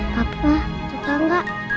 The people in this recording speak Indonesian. papa suka gak